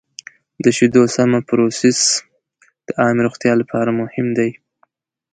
د شیدو سمه پروسس د عامې روغتیا لپاره مهم دی.